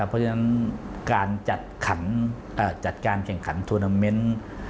เพราะฉะนั้นการจัดการแข่งขันทวนาเมนต์